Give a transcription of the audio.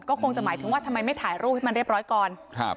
ก็คงจะหมายถึงว่าทำไมไม่ถ่ายรูปให้มันเรียบร้อยก่อนครับ